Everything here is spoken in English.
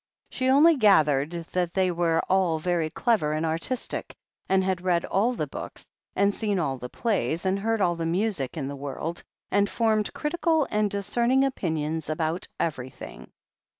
She only gathered that they were all very clever and artistic, and had read all the books, and seen all the plays, and heard all the music, in the world, and formed critical and discerning opinions about everything.